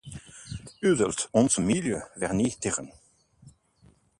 U zult ons milieu vernietigen.